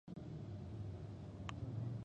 هغه پر د ده د قام او د ټبر وو